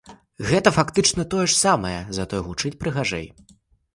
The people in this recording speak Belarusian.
Гэта фактычна тое ж самае, затое гучыць прыгажэй.